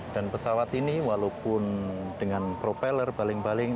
dan pesawat ini walaupun dengan propeller baling baling